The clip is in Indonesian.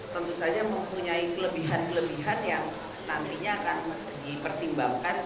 tentu saja mempunyai kelebihan kelebihan yang nantinya akan dipertimbangkan